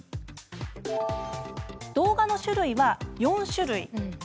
動画の種類は４種類。